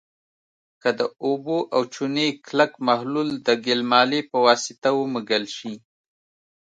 که د اوبو او چونې کلک محلول د ګلمالې په واسطه ومږل شي.